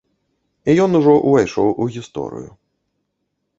І ён ужо ўвайшоў у гісторыю.